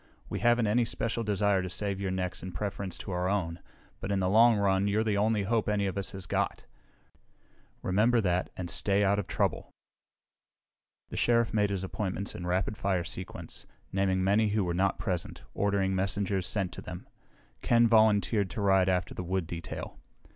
We haven't any special desire to save your necks in preference to our own, but in the long run you're the only hope any of us has got. Remember that, and stay out of trouble!" The Sheriff made his appointments in rapid fire sequence, naming many who were not present, ordering messengers sent to them. Ken volunteered to ride after the wood detail.